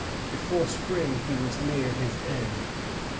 Before spring he was near his end.